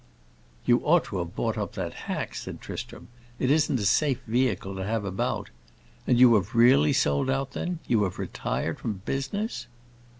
"You ought to have bought up that hack," said Tristram; "it isn't a safe vehicle to have about. And you have really sold out, then; you have retired from business?"